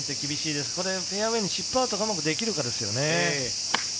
ここでフェアウエーにヒットアウトがうまくできるかですよね。